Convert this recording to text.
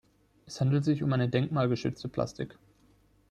Es handelt sich um eine denkmalgeschützte Plastik.